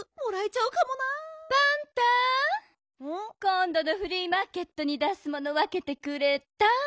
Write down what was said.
こんどのフリーマーケットに出すものわけてくれた？